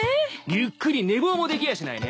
ゆっくり寝坊もできやしないね！